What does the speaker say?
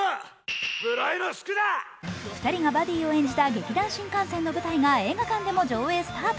２人がバディを演じた劇団☆新感線の舞台が映画館でも上演スタート。